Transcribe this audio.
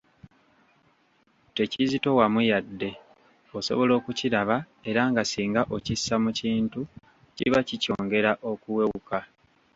"Tekizitowamu yadde, osobola okukiraba era nga singa okissa mu kintu kiba kikyongera okuwewuka."